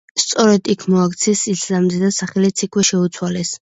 სწორედ იქ მოაქციეს ისლამზე და სახელიც იქვე შეუცვალეს.